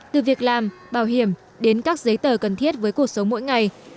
từ việc làm bảo hiểm đến các giấy tờ cần thiết với cuộc sống mỗi ngày